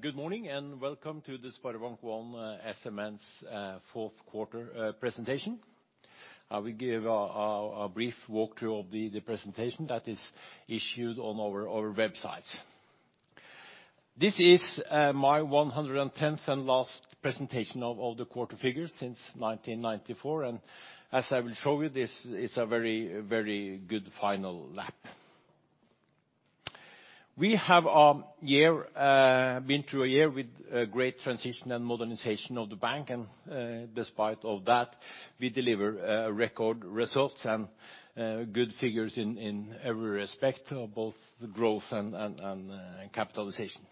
Good morning, and welcome to the SpareBank 1 SMN fourth quarter presentation. I will give a brief walkthrough of the presentation that is issued on our websites. This is my 110th and last presentation of all the quarter figures since 1994. As I will show you, this is a very, very good final lap. We have been through a year with a great transition and modernization of the bank. Despite all that, we deliver record results and good figures in every respect of both the growth and capitalization.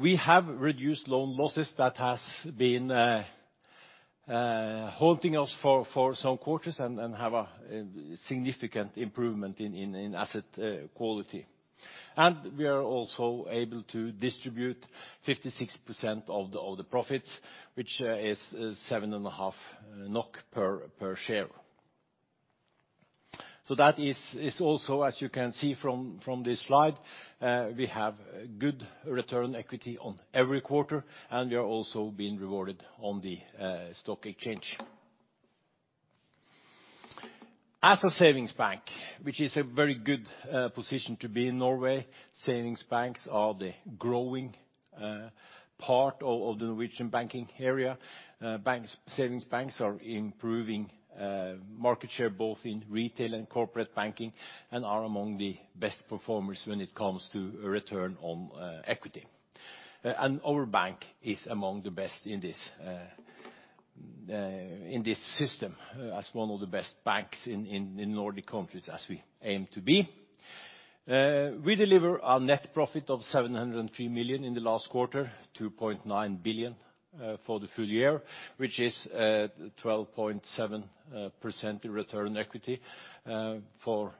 We have reduced loan losses that has been halting us for some quarters and have a significant improvement in asset quality. We are also able to distribute 56% of the profits, which is 7.5 per share. That is also, as you can see from this slide, we have good return on equity in every quarter, and we are also being rewarded on the stock exchange. As a savings bank, which is a very good position to be in Norway, savings banks are the growing part of the Norwegian banking area. Savings banks are improving market share both in retail and corporate banking, and are among the best performers when it comes to return on equity. Our bank is among the best in this system as one of the best banks in Nordic countries as we aim to be. We deliver our net profit of 703 million in the last quarter, 2.9 billion for the full year, which is 12.7% return on equity for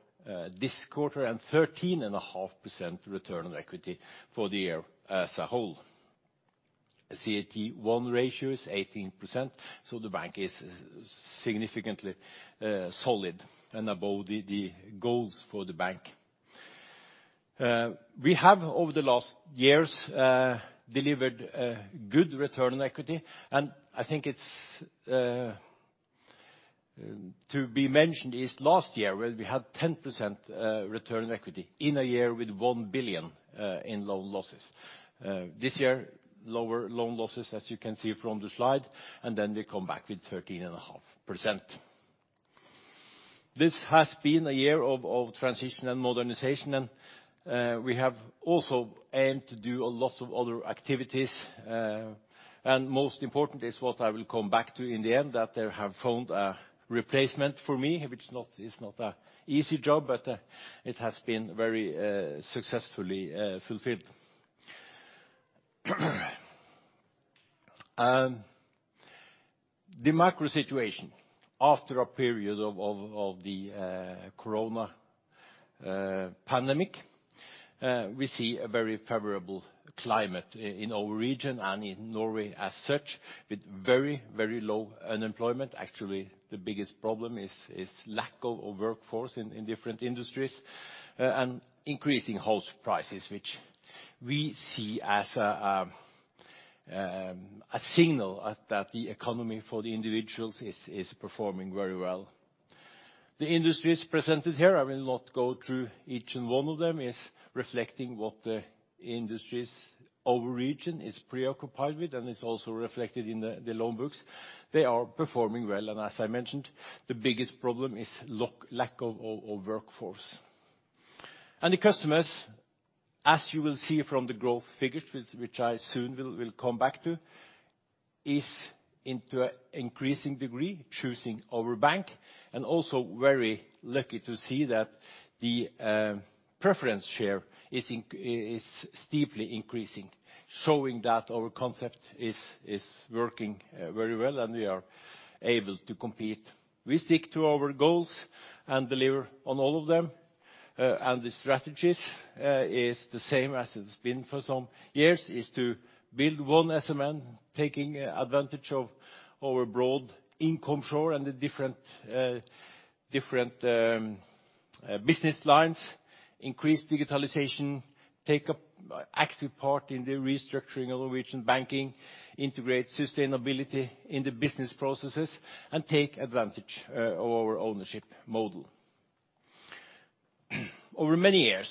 this quarter and 13.5% return on equity for the year as a whole. CET1 ratio is 18%, so the bank is significantly solid and above the goals for the bank. We have over the last years delivered a good return on equity, and I think it's to be mentioned is last year where we had 10% return on equity in a year with 1 billion in loan losses. This year, lower loan losses, as you can see from the slide, and then we come back with 13.5%. This has been a year of transition and modernization, and we have also aimed to do a lot of other activities. Most important is what I will come back to in the end, that they have found a replacement for me, which is not an easy job, but it has been very successfully fulfilled. The macro situation, after a period of the corona pandemic, we see a very favorable climate in our region and in Norway as such, with very, very low unemployment. Actually, the biggest problem is lack of a workforce in different industries and increasing house prices, which we see as a signal that the economy for the individuals is performing very well. The industries presented here, I will not go through each and one of them, is reflecting what the industries our region is preoccupied with and is also reflected in the loan books. They are performing well, and as I mentioned, the biggest problem is lack of workforce. The customers, as you will see from the growth figures, which I soon will come back to, is into an increasing degree choosing our bank, and also very lucky to see that the market share is steeply increasing, showing that our concept is working very well and we are able to compete. We stick to our goals and deliver on all of them. The strategies is the same as it's been for some years, is to build on SMN, taking advantage of our broad income sources and the different business lines, increase digitalization, take a active part in the restructuring of Norwegian banking, integrate sustainability in the business processes, and take advantage of our ownership model. Over many years,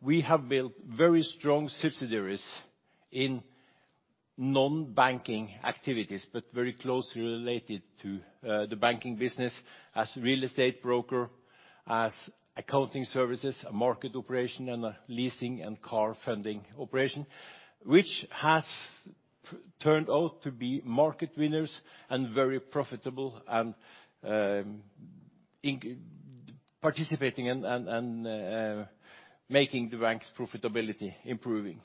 we have built very strong subsidiaries in non-banking activities, but very closely related to the banking business as real estate broker, as accounting services, a market operation, and a leasing and car funding operation, which has turned out to be market winners and very profitable and in participating and making the bank's profitability improving.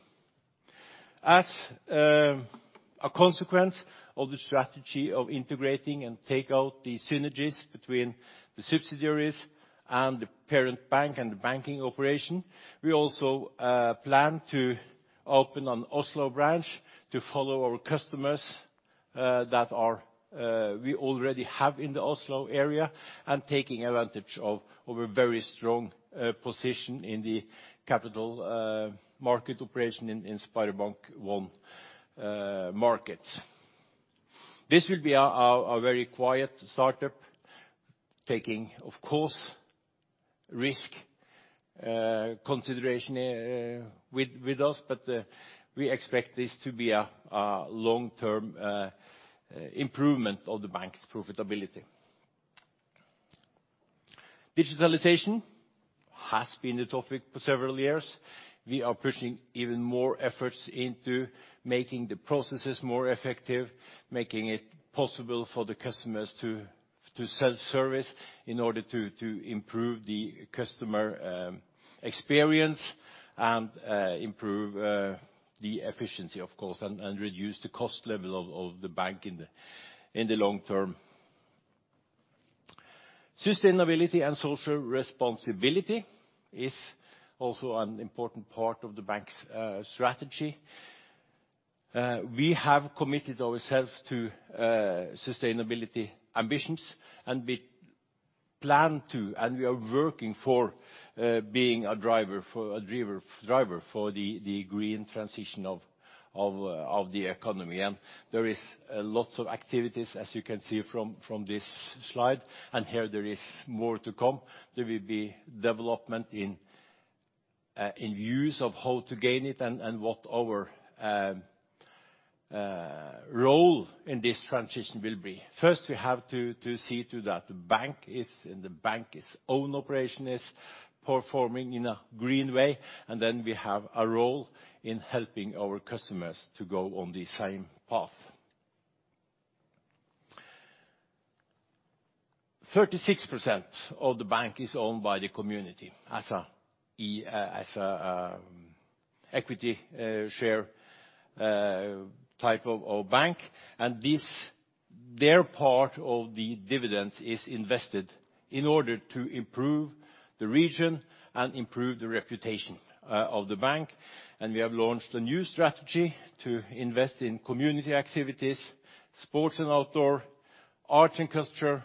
As a consequence of the strategy of integrating and take out the synergies between the subsidiaries and the parent bank and the banking operation, we also plan to open an Oslo branch to follow our customers that we already have in the Oslo area, and taking advantage of a very strong position in the capital market operation in SpareBank 1 Markets. This will be a very quiet startup taking, of course, risk consideration with us, but we expect this to be a long-term improvement of the bank's profitability. Digitalization has been a topic for several years. We are pushing even more efforts into making the processes more effective, making it possible for the customers to self-service in order to improve the customer experience and improve the efficiency, of course, and reduce the cost level of the bank in the long term. Sustainability and social responsibility is also an important part of the bank's strategy. We have committed ourselves to sustainability ambitions, and we plan to, and we are working for being a driver for the green transition of the economy. There is lots of activities as you can see from this slide, and here there is more to come. There will be development in views of how to gain it and what our role in this transition will be. First, we have to see to that the bank is, and the bank's own operation is performing in a green way, and then we have a role in helping our customers to go on the same path. 36% of the bank is owned by the community as equity share type of bank. Their part of the dividends is invested in order to improve the region and improve the reputation of the bank. We have launched a new strategy to invest in community activities, sports and outdoor, art and culture,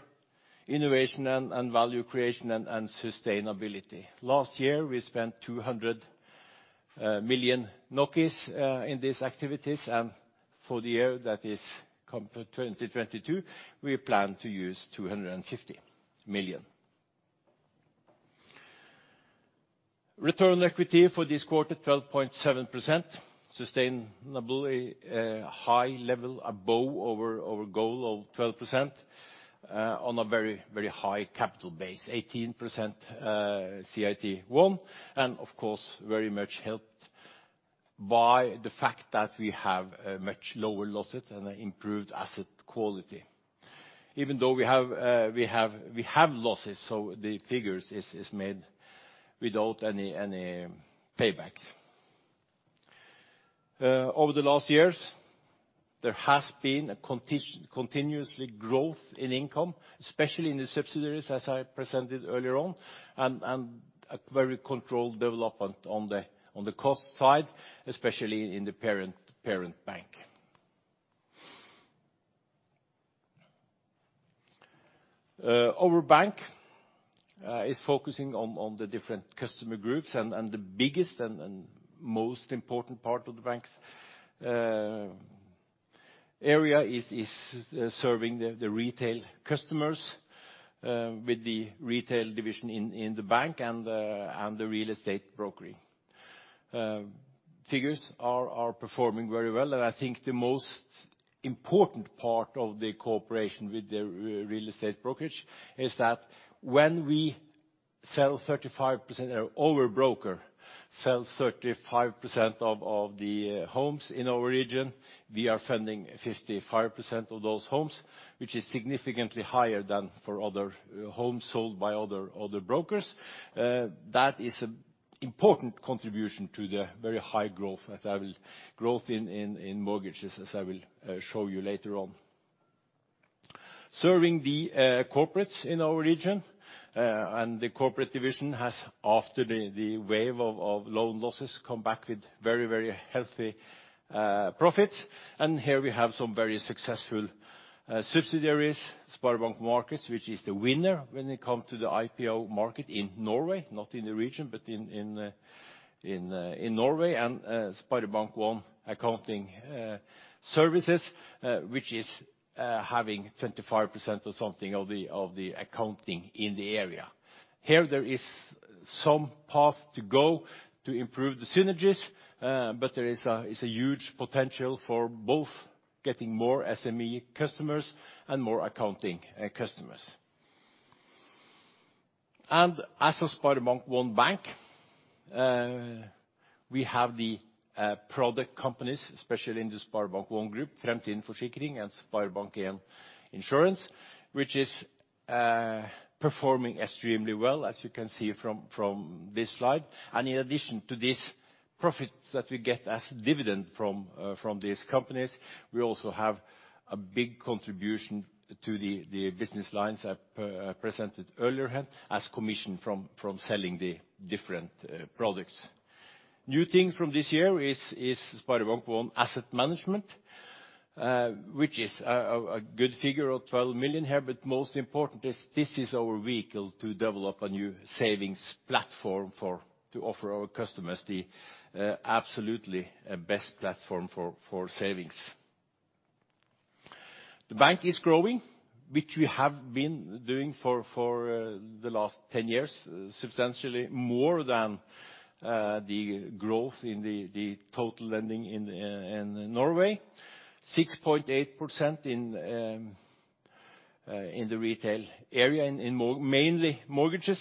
innovation and value creation, and sustainability. Last year, we spent 200 million in these activities, and for 2022, we plan to use 250 million. Return on equity for this quarter, 12.7%, sustainably high level above our goal of 12%, on a very high capital base, 18% CET1, and of course, very much helped by the fact that we have much lower losses and improved asset quality. Even though we have losses, so the figures is made without any paybacks. Over the last years, there has been continuous growth in income, especially in the subsidiaries, as I presented earlier on, and a very controlled development on the cost side, especially in the parent bank. Our bank is focusing on the different customer groups and the biggest and most important part of the bank's area is serving the retail customers with the retail division in the bank and the real estate brokering. Figures are performing very well. I think the most important part of the cooperation with the real estate brokerage is that when we sell 35% or our broker sells 35% of the homes in our region, we are funding 55% of those homes, which is significantly higher than for other homes sold by other brokers. That is an important contribution to the very high growth in mortgages, as I will show you later on. Serving the corporates in our region and the corporate division has, after the wave of loan losses, come back with very healthy profits. Here we have some very successful subsidiaries, SpareBank 1 Markets, which is the winner when it come to the IPO market in Norway, not in the region, but in Norway. And SpareBank 1 accounting services, which is having 25% or something of the accounting in the area. Here, there is some path to go to improve the synergies, but there is a huge potential for both getting more SME customers and more accounting customers. As a SpareBank 1 bank, we have the product companies, especially in the SpareBank 1 group, Fremtind Forsikring and SpareBank 1 Forsikring Insurance, which is performing extremely well, as you can see from this slide. In addition to these profits that we get as dividend from these companies, we also have a big contribution to the business lines I presented earlier here as commission from selling the different products. New thing from this year is SpareBank 1 Asset Management, which is a good figure of 12 million here. Most important is this is our vehicle to develop a new savings platform for to offer our customers the absolutely best platform for savings. The bank is growing, which we have been doing for the last 10 years, substantially more than the growth in the total lending in Norway. 6.8% in the retail area, mainly mortgages,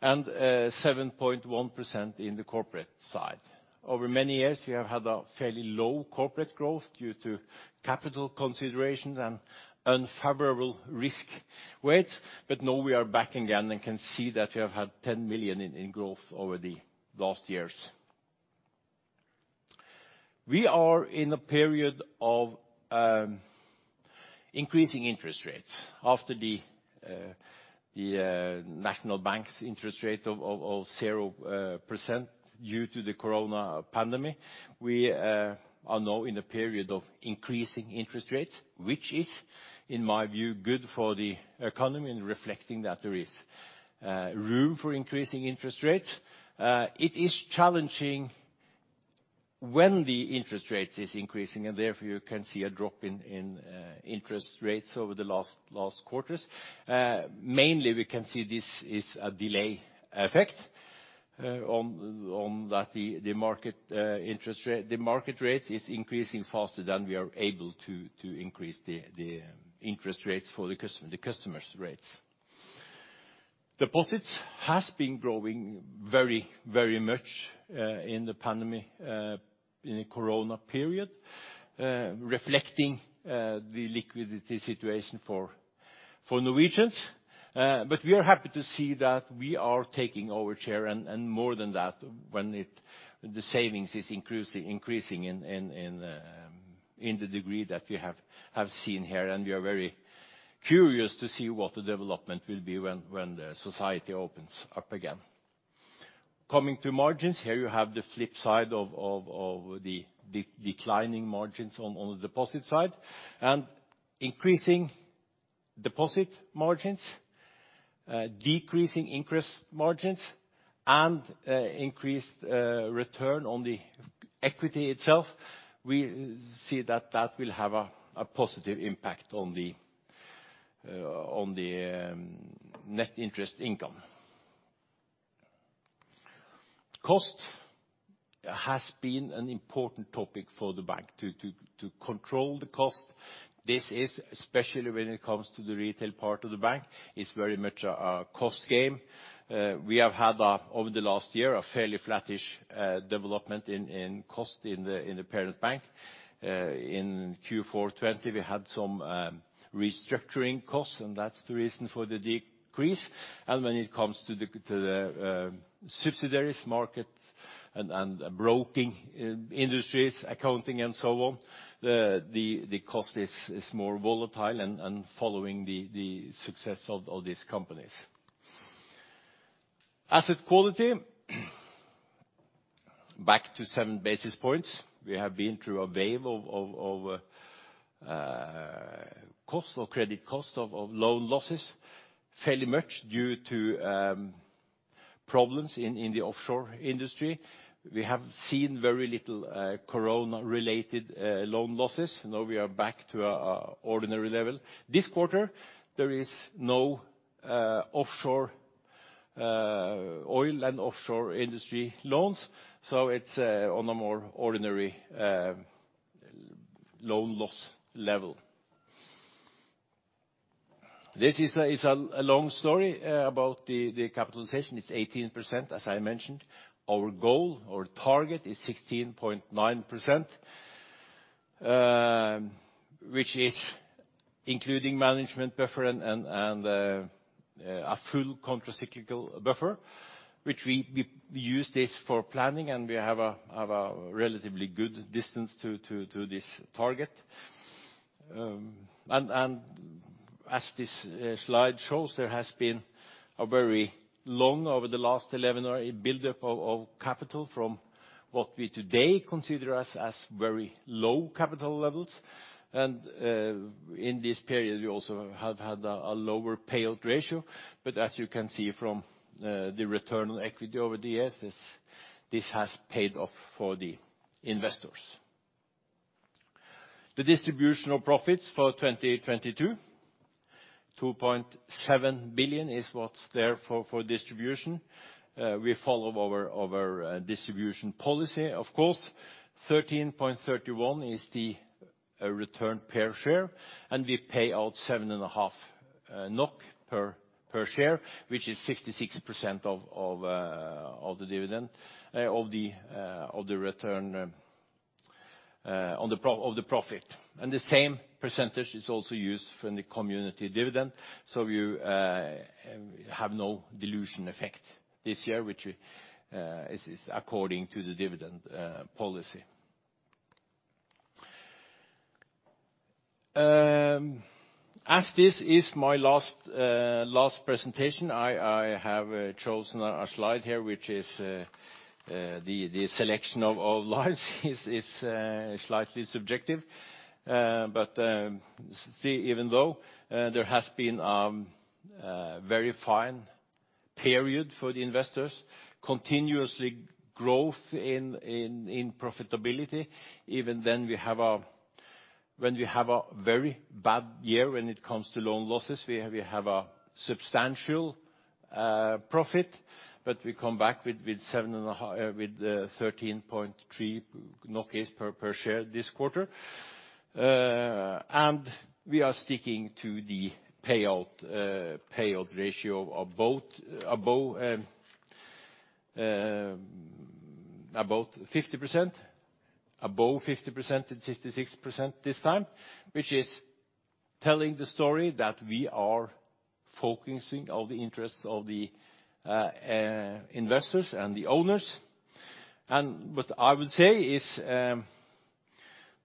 and 7.1% in the corporate side. Over many years, we have had a fairly low corporate growth due to capital considerations and unfavorable risk weights. Now we are back again and can see that we have had 10 million in growth over the last years. We are in a period of increasing interest rates. After the National Bank's interest rate of 0% due to the corona pandemic, we are now in a period of increasing interest rates, which is, in my view, good for the economy and reflecting that there is room for increasing interest rates. It is challenging when the interest rates is increasing and therefore you can see a drop in interest rates over the last quarters. Mainly we can see this is a delay effect on that the market interest rate, the market rates is increasing faster than we are able to increase the interest rates for the customers rates. Deposits has been growing very much in the pandemic, in the corona period, reflecting the liquidity situation for Norwegians. We are happy to see that we are taking our share and more than that when the savings is increasing in the degree that we have seen here, and we are very curious to see what the development will be when the society opens up again. Coming to margins, here you have the flip side of the declining margins on the deposit side. Increasing deposit margins, decreasing interest margins, and increased return on the equity itself, we see that that will have a positive impact on the net interest income. Cost has been an important topic for the bank to control the cost. This is especially when it comes to the retail part of the bank, it's very much a cost game. We have had, over the last year, a fairly flattish development in cost in the parent bank. In Q4 2020, we had some restructuring costs, and that's the reason for the decrease. When it comes to the subsidiaries, Markets and broking, industries, accounting and so on, the cost is more volatile and following the success of these companies. Asset quality back to seven basis points. We have been through a wave of costs or credit costs of loan losses, fairly much due to problems in the offshore industry. We have seen very little corona-related loan losses. Now we are back to an ordinary level. This quarter, there is no offshore oil and offshore industry loans, so it's on a more ordinary loan loss level. This is a long story about the capitalization. It's 18%, as I mentioned. Our goal or target is 16.9%, which is including management buffer and a full countercyclical buffer, which we use this for planning, and we have a relatively good distance to this target. As this slide shows, there has been a very long over the last 11 years a buildup of capital from what we today consider as very low capital levels. In this period, we also have had a lower payout ratio. As you can see from the return on equity over the years, this has paid off for the investors. The distribution of profits for 2022, 2.7 billion is what's there for distribution. We follow our distribution policy, of course. 13.31 is the return per share, and we pay out 7.5 NOK per share, which is 66% of the dividend of the return on the profit. The same percentage is also used for the community dividend. We have no dilution effect this year, which is according to the dividend policy. As this is my last presentation, I have chosen a slide here, which is the selection of all lines is slightly subjective. Even though there has been very fine period for the investors, continuous growth in profitability. When we have a very bad year when it comes to loan losses, we have a substantial profit. We come back with 7.5 with 13.3 per share this quarter. We are sticking to the payout ratio of about 50%, above 50%-66% this time, which is telling the story that we are focusing all the interests of the investors and the owners. What I would say is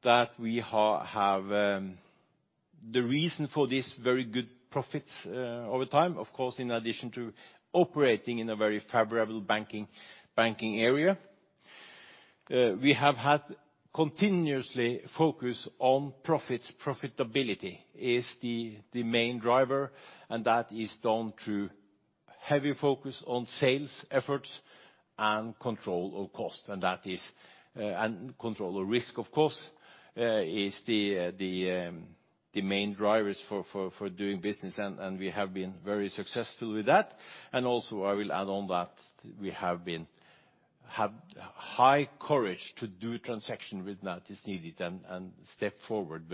that we have the reason for this very good profits over time, of course, in addition to operating in a very favorable banking area, we have had continuous focus on profits. Profitability is the main driver, and that is down through heavy focus on sales efforts and control of cost. That is and control of risk, of course, is the main drivers for doing business and we have been very successful with that. Also I will add on that we have high courage to do a transaction when that is needed and step forward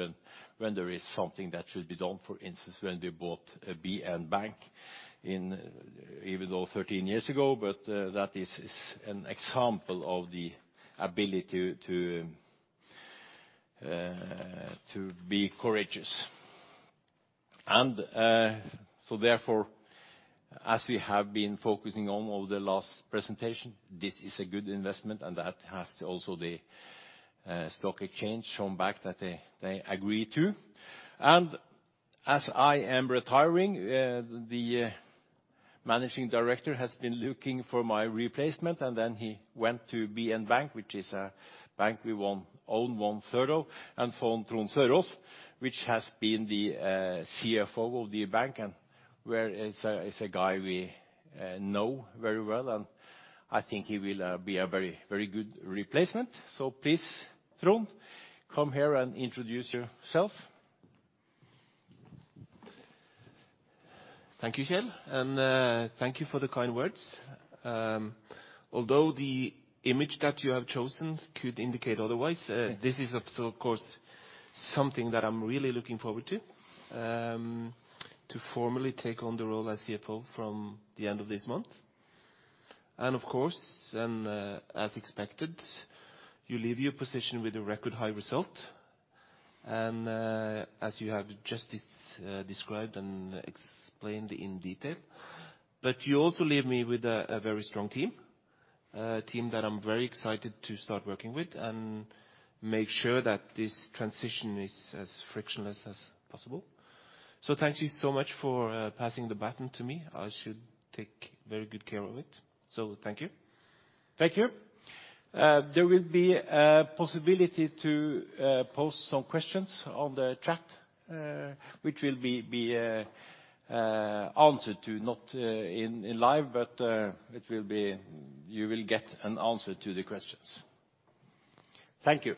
when there is something that should be done. For instance, when we bought BN Bank 13 years ago, that is an example of the ability to be courageous. Therefore, as we have been focusing on over the last presentation, this is a good investment and the stock exchange has also shown that they agree to. As I am retiring, the Managing Director has been looking for my replacement, and then he went to BN Bank, which is a bank we own 1/3 of. Found Trond Søraas, who has been the CFO of the bank and is a guy we know very well. I think he will be a very good replacement. Please, Trond, come here and introduce yourself. Thank you, Kjell, and thank you for the kind words. Although the image that you have chosen could indicate otherwise, this is of course something that I'm really looking forward to formally take on the role as CFO from the end of this month. Of course, as expected, you leave your position with a record high result, as you have just described and explained in detail. You also leave me with a very strong team, a team that I'm very excited to start working with and make sure that this transition is as frictionless as possible. Thank you so much for passing the baton to me. I should take very good care of it. Thank you. Thank you. There will be a possibility to pose some questions on the chat, which will be answered, not live, but you will get an answer to the questions. Thank you.